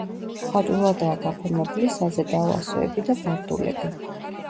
მხატვრულადაა გაფორმებული საზედაო ასოები და ვარდულები.